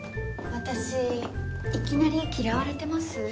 私いきなり嫌われてます？